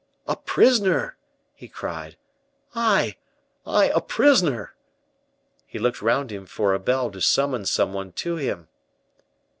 "A prisoner!" he cried. "I I, a prisoner!" He looked round him for a bell to summon some one to him.